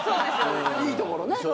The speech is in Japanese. いいところね。